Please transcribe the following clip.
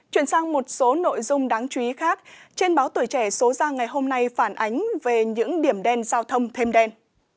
chuyển sang một số nội dung đáng chú ý khác trên báo tuổi trẻ số ra ngày hôm nay phản ánh về những điểm đen giao thông thêm đen